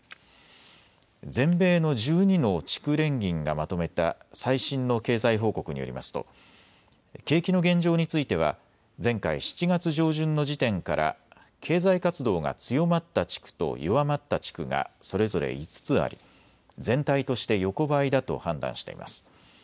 全米の１２の地区連銀がまとめた最新の経済報告によりますと景気の現状については前回、７月上旬の時点から経済活動が強まった地区と弱まった地区がそれぞれ５つあり全体として横ばいだと判断しています。